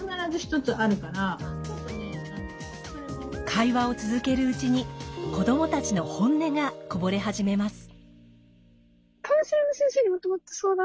会話を続けるうちに子どもたちの本音がこぼれ始めます。